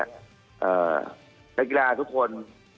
นักกีฬาทุกคน